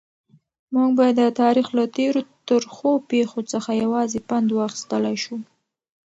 موږ باید د تاریخ له تېرو ترخو پیښو څخه یوازې پند واخیستلای شو.